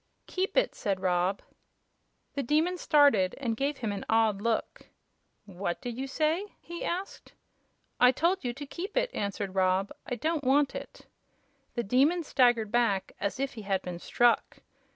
"Keep it," said Rob. The Demon started, and gave him an odd look. "What did you say?" he asked. "I told you to keep it," answered Rob. "I don't want it." The Demon staggered back as if he had been struck.